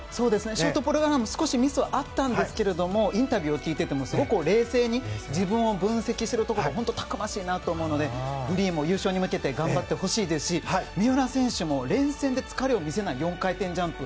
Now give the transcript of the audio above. ショートプログラムは少しミスはあったんですがインタビューを聞いててもすごく冷静に自分を分析しているところがたくましいなと思うのでフリーも優勝に向けて頑張ってほしいですし三浦選手も連戦で疲れを見せない４回転ジャンプ。